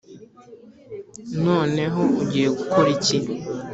noneho ugiye gukora iki. '